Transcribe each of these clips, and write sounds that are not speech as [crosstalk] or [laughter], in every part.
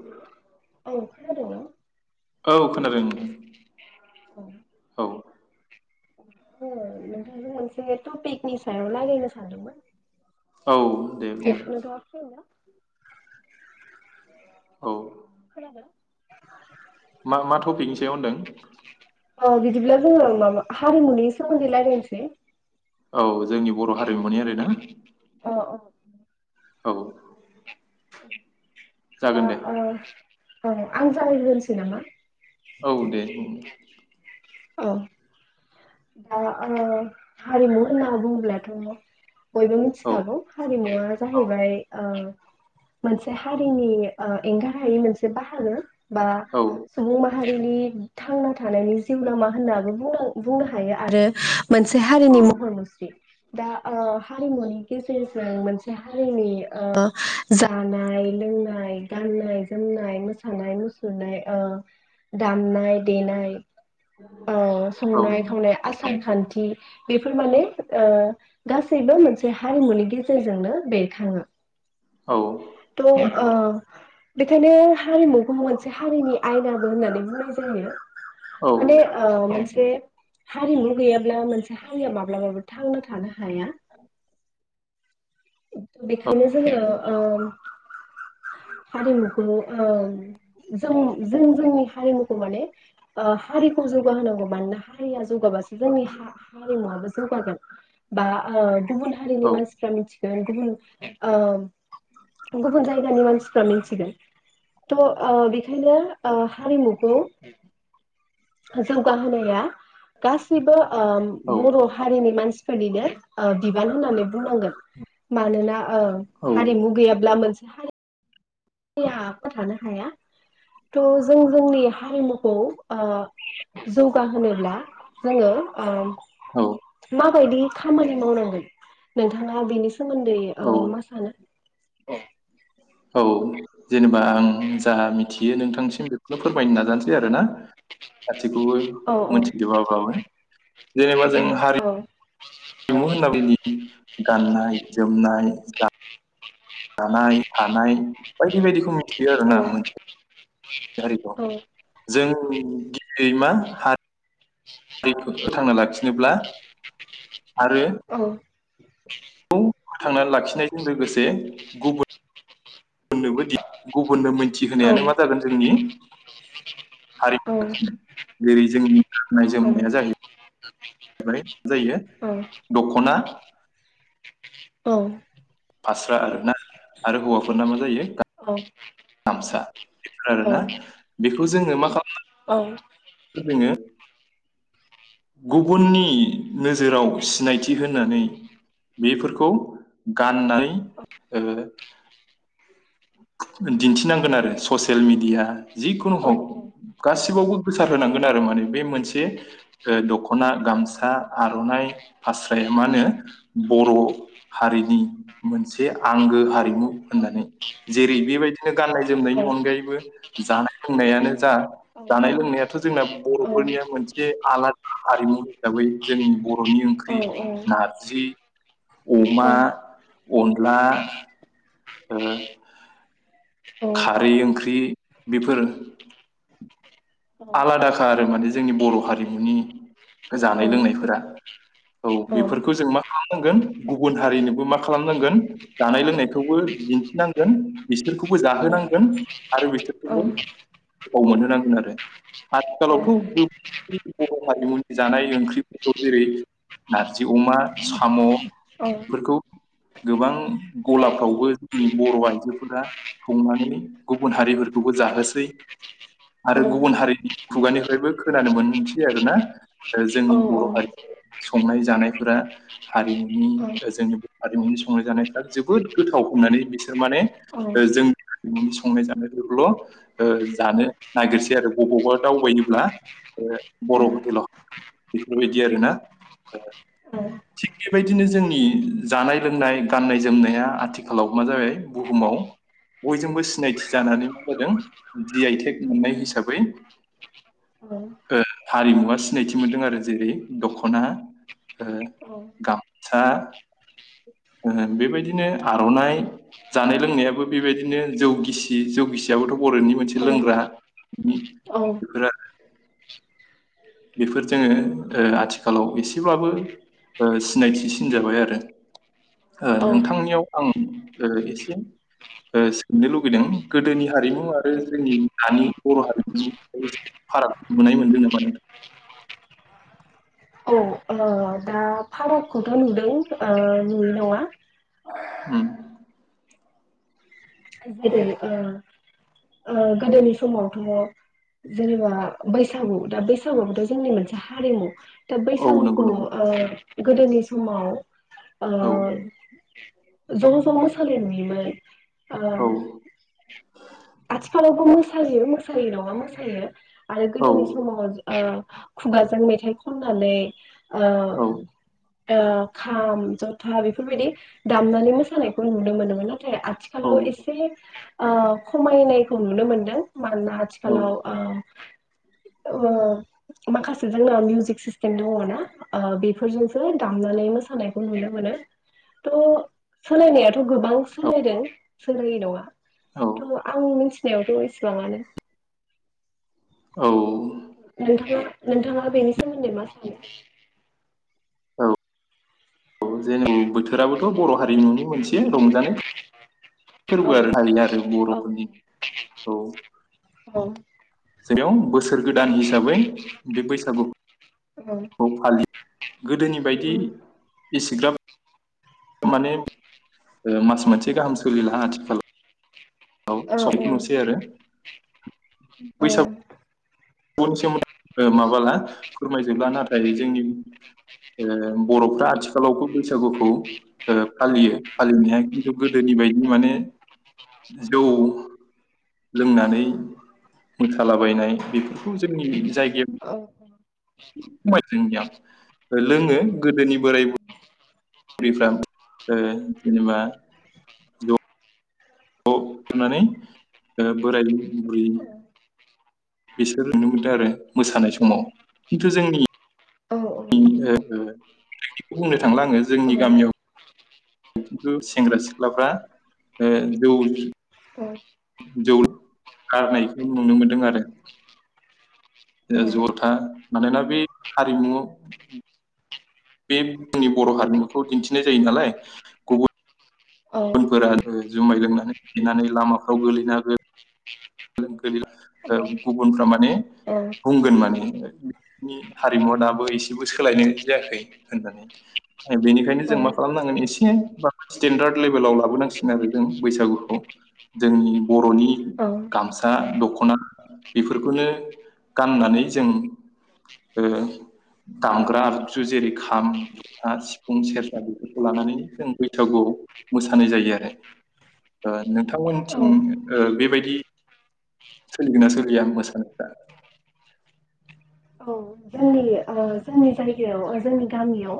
हेल' औ खोनादोंना औ खोनादों नोंथां औ ओ नोंथांजों मोनसे टपिकनि सायाव रायलायनो सानदोंमोन औ दे नोंथाङा बुंलाय फ्रि ना औ खोनादों मा मा टपिकनि सायाव होनदों औ बिदिब्ला जोङो माबा हारिमुनि सोमोन्दै रायलायनोसै औ जोंनि बर' हारिमुनि आरो ना अ अ औ [unintelligible] दा जागोन दे ओ औ आं जागायग्रोनोसै नामा औ दे बुं अ दा ओ हारिमु होनना बुंब्लेद नंगौ बयबो औ मिथिखागौ हारिमुवा जाहैबाय ओ मोनसे हारिनि ओ एंगार हायि मोनसे बाहागो बा औ सुबुं माहारिनि थांना थानायनि जिउ लामा होननाबो बुंनां बुंनो हायो आरो मोनसे औ हारिनि महर मुस्रि दा ओ हारिमुनि गेजेरजों मोनसे हारिनि ओ जानाय लोंनाय गाननाय जोमनाय मोसानाय मुसुरनाय ओ दामनाय देनाय ओ [unintelligible] संनाय खावनाय [unintelligible] सानखान्थि बेफोर माने ओ गासैबो मोनसे हारिमुनि गेजेरजोंनो बेरखाङो औ त' अ बेखायनो हारिमुखौ मोनसे हारिनि आयनाबो होननानै बुंनाय जायो माने औ ओ मोनसे हारिमु गैया ब्ला मोनसे हारिया माब्लाबाबो थांना थानो हाया [inaudible] बेखायनो जोङो ओम हारिमु ओम जों जों जोंनि हारिमुखौ माने ओ हारिखौ जौगा होनांगौ मानोना हारिया जौगाबासो जोंनि हा हारिमुआबो जौगागोन। बा ओ गुबुन हारिनि मानसिफ्रा मिथि गुबुन ओ गुबुन जायगानि मानसिफ्रा मिथिगोन थ ओ बेखायनो ओ हारिमुखौ जौगाहोनाया गासैबो। ओम औ बर हारिनि मानसि फोरनिनो ओ बिबान होननानै बुंनांगोन मानोना ओं हारिमु गैयाब्ला मोनसे हारि या थानो हाया त जों जोंनि हारिमुखौ ओ जौगाहोनोब्ला जोङो ओम औ। मा बायदि खामानि मावनांगोन नोंथाङा बेनि सोमोन्दै ओ मा सानो औ [unintelligible] औ जेनेबा आं जा मिथियो नोंथांसिम बेखौनो फोरमायनो नाजानोसै आरो ना गासैखौबो औ मिथिजोबोबा बाबो जेनेबा जों औ हारि [inaudible] थाङो होनना बायदि [unintelligible] गाननाय जोमनाय जा जानाय थानाय बायदि बायदि मिथि आरो औ ना मोनसे हारि दं जों गिबियै मा हा- हारिखौ फोथांनो लाखि [unintelligible] जेब्ला आरो। औ खौ फोथांना लाखिनायजों लोगोसे गुबुन होननोबोदि गु गुबुननो औ मिथिहोनायानो मा जागोन जोंनि औ हारिमु जेरै जोंनि गाननाय जोनोमनाया जायो जायो औ दख'ना औ फास्रा आरोना आरो हौवाफोरना मा जायो गामसा बेफोर आरोना बे खौ जोङो मा खालामो [unintelligible] औ [unintelligible] गुबुननि नोजोराव सिनायथि होनानै बेफोरखौ गाननानै ओ दिन्थिनांगोन आरो ससियेल मेडिया जिखुनुहक गासिबावबो गोसार होनांगोन आरो औ माने बे मोनसे ओ दख'ना गाम सा औ आर'नाय फास्राया मानो बर' हारिनि मोनसे आंगो हारिमु औ होननानै जेरै बेबायदिनो गाननाय जोमनायनि अनगायैबो जानाय लोंनायानो जा जानाय लोंनायाथ' जोंना बर'फोरनिया मोनसे आला हारिमु हिसाबै जोंनि ब' हरनि ओंख्रि नारजि अमा अनला ओ खारै ओंख्रि बेफोर आलादाखा आरो माने जोंनि बर' हारिमुनि जानाय लोंनायफोरा औ बेफोरखौ जों मा खालामनांगोन गुबुन हारिनोबो मा खालामनांगोन जानाय लोंनायखौबो दिन्थिनांगोन बिसोरखौबो जाहोनांगोन आरो बिसोरखौबो अबाव मोननोनांनो आरो आथिखालावथ' गो बर' हारिमुनि जानाय ओंख्रिफोरखौ जेरै नारजि अमा साम' बेफोरखौ गोबां गलाफ्रावबो जोंनि बर' आइजोफोरा संनानै गुबुन हारिफोरखौबो जाहोसै आरो गुबुन हारि खुगानिफ्रायबो खोनानो मोनसै आरोना जोंनि बर' हारि संनाय जानायफोरा हारिमुनि जोंनि बर' हारिमुनि संनाय जानायफ्रा जोबोर गोथाव होननानै बिसोर माने जोंनि हारिमुनि संनाय जानायफोरखौल ओ जानो नागिरसै आरो बबावबा दावबायनोब्ला ओ बर' ह'टेलाव बेफोरबादि आरोना जिखिबायदिनो जोंनि जानाय लोंनाय गाननाय जोमनाया आथिखालाआव मा जाबाय बुहुमाव बयजोंबो सिनायथि जानानै मा होदों जि आई टेग मोननाय हिसाबै ओ हारिमुवा सिनायथि मोनदों आरो जेरै द'खना ओ गामसा ओ बेबायदिनो आर'नाइ जानाय लोंनायाबो बेबायदिनो जौ गिसि जौ गिसियाबो थ' बर'नि मोनसे लोंग्राा नि औ बेफोर जोङो ओ आथिखालाव एसेबाबो ओ सिनायथि सिन जाबाय आरो ओ नोंथांनियाव आं ओ एसे सोंनो लगैदों गोदोनि हारिमु आरो जोंनि दानि बर' हारिमुनि एसे फाराग नुनाय मोनदों नामा नोंथां? ओ दा फारागखौथ' नुदों ओ नुयै नङा ओम जेरै ओ ओ गोदोनि समावथ' जेनेबा बैसागु दा बैसागुखौथ' जोंनि मोनसे हारिमु दा औ नंगौ बैसागुखौ नंगौ ओ गोदोनि समाव ओ औ ज' ज' मोसानाय नुयोमोन। ओ आथिखालावबो मोसायो मोसायो नङा मोसायो। आरो औ गोदोनि औ समाव ओ खुगाजों मेथाइ खननानै ओ ओ खाम जथा बेफोरबायदि दामनानै मोसानायखौ नुनो मोनोमोन। आथिखालाव औ-औ-औ-औ-औ-औ-औ एसे ओ खमायनायखौ नुनो मोन्दों। मानोना आथिखालाव ओ ओ माखासे जोंना मिउजिक सिस्टेम दङ ना ओ बेफोरजोंसो दामनानै मोसानायखौ नुनो मोनो थ' सोलायनाया थ' गोबां सोलायदों सोलियि नङा औ थ' आंनि मिथिनायावथ' ए सेबांआनो औ नोंथाङा नोंथाङा बेनि सोमोन्दै मा सानो? औ जेन' बोथोराबोथ' बर' हारिमुनि मोनसे रंजानाय औ फोरबो आरो हायो आरो औ बर'फोरनि औ औ जेराव बोसोर गोदान हिसाबै बे बैसागु औ गोदोनि औ बायदि एसेग्राब माने ओ मास मोनसे गाहाम सोलिला आथिखालाव औ सबखौ नुसै आरो ओ [unintelligible] ओ माबाला फोरमायजोबला नाथाय जोंनि ओ बर'फ्रा आथिखालावबो बैसागुखौ ओ फालियो फालिनाया खिन्थु गोदोनि बायदि माने जौ लोंनानै मोसालाबायनाय बेफोर गौ जोंनि जायग औ [unintelligible] लोङो गोदोनि बोराय बु रैफ्रा ओ जेनेबा औ होननानै ओ बोरायदों बुरैनि [unintelligible] बिसोर नुनो मोनदों आरो मोसानाय समाव खिन्थु जोंनि औ ओ [unintelligible] थांला आङो जोंनि गामियाव खिन्थु सेंग्रा सिख्लाफ्रा ओ जौ जौ गारनायखौ नुनो मोनदों आरो जरथा मानोना बे हारिमु बे जोंनि बर हारिमुखौ दिन्थिनाय जायो नालाय गुबुन बुनफोरा आरो जुमाय लोंनानै फेनानै लामाफ्राव गोलैनो हागो। [unintelligible] गुबुनफ्रा मान ने बुंगोन माने बिनि हारिमुवा दाबो एसेबो सोलायनाय जायाखै होननानै बेनिखायनो जों मा खालामनांगोन इसे [unintelligible] स्टेेनडार्द लेभेलाव लाबोनांसिग आरो जों बैसागुखौ जोंनि बरनि औ सा दखना बेफोरखौनो गाननानै जों ओ दामग्रा आगजु जेरै खाम जथा सिफुं सेरजा बेफोरखौ लानानै जों बैसागुआव मोसानाय जायो आरो औ नोंथांमोनथिं औ ओ बेबायदि सोलिगोनना सोलिया मोसानायफ्रा औ जोंनि ओ जोंनि जायगायाव जोंनि गामियाव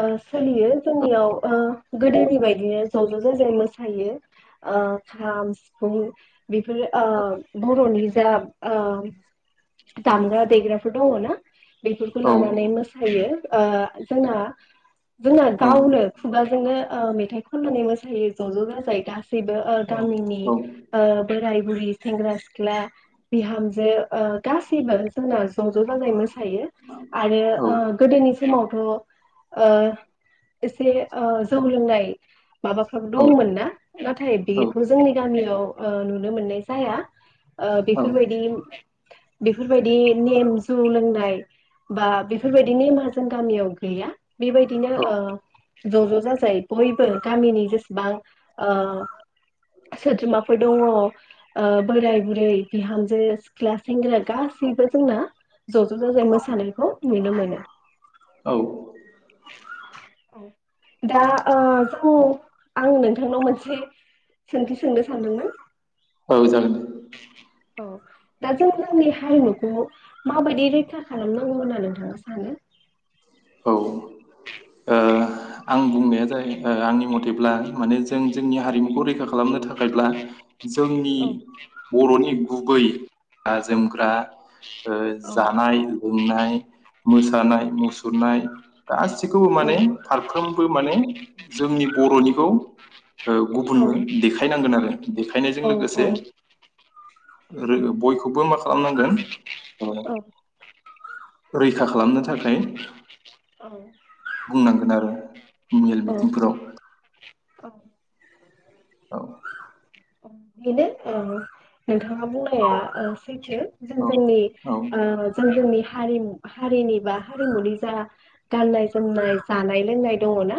ओ सोलियो जोंनियाव ओ गोदोनि बायदिनो ज ज जा जाय मोसायो ओ खाम सिफुं बेफोरो ओ बर'नि ओ दामग्रा देग्राफोर दङना बेफोरखौ औ लानानै मोसायो। ओ जोंहा जोङो औ गावनो खुगाजोंनो मेथाइ खननानै मोसा सायो ज' ज' जाजाय [unintelligible] गासैबो गामिनि औ औ ओ बोराय बुरि सेंग्रा सिख्ला बिहामजो ओ गासैबो जोंना ज' ज' जाजायै मोसायो आरो औ ओ गोदोनि समावथ' ओ एसे ओ जौ लोंनाय माबाफ्राबो औ दङमोन ना नाथाय बेखौ जोंनि गामियाव ओ नुनो मोननाय जाया। ओ बेफोरबायदि बेफोरबायदि नेम जौ लोंनाय बा बेफोरबायदिनो नेमा जों गामियाव गैया। बेबायदिनो ओ ज' ज' जाजाय बयबो गामिनि जेसेबां ओ सोद्रोमाफोर दङ ओ बोराय बुरै बिहामजो सिख्ला सेंग्रा गासैबो जोंना ज' ज' जाजाय मोसा सानायखौ नुनो मोनो। औ दा ओ जों आं नोंथांनाव मोनसे सोंथि सोंनो सानदोंमोन औ जागोन दे [inaudible] औ दा जों जोंनि हारिमुखौ माबायदि रैखा खालामनांगौ होनना नोंथाङा सानो? औ ओ आं बुंनाया जाहै ओ आंनि मथेब्ला माने ज जों जोंनि औ हारिमुखौ रैखा खालामनो थाखायब्ला जोंनि औ बर'नि गुबै जोमग्रा औ ओ औ जानाय लोंनाय मोसानाय मुसुर माय गासिखौबो माने फारफ्रोमबो माने जोंनि बर'निखौ ओ औ गुबुननो देखायनांगोन आरो देखायनायजों औ लोगोसे आरो बय बखौबो मा खालामनांगोन ओ रैखा खालामनो थाखाय बुंनांगोन आरो। मेल मिटिंफोराव। औ। अ बेनो ओ नोंथां। नोंथां बुंनाया ओ सैथो औ जों जोंनि औ ओ जों जोंनि हारिमु हारिनि बा हारिमुनि जा गाननाय-जोमनाय, जानाय-लोंनाय दङना।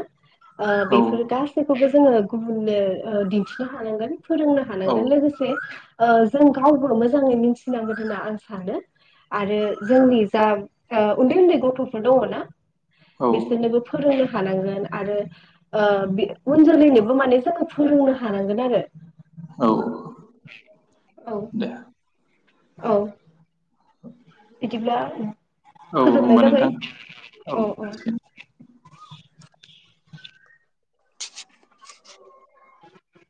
ओ औ बेफोर गासैखौबो जोङो गुबुननो ओ दिन्थिनो हानांगोन। फोरोंनो औ हानांगोन लोगोसे ओ जों गावबो मोजाङै मिथिनांगोन होनना आं सानो आरो जोंनि जा ओ उन्दै उन्दै गथ'फोर दंङोना औ बिसोरनोबो फोरोंनो हानांगोन। आरो ओ बि उन जोलैनोबो माने जों फोरोंनो हानांगोन आरो। औ औ दे औ बिदिब्ला औ फोजोबनाय होमबा जाबाय। नोंथां औ औ [inaudible]